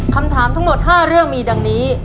คำถามทั้งหมด๕เรื่องมีดังนี้